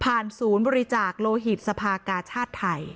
ศูนย์บริจาคโลหิตสภากาชาติไทย